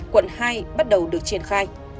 quận hai bắt đầu được triển khai